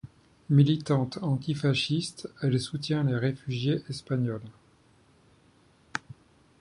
Militante antifasciste, elle soutient les réfugiés espagnols.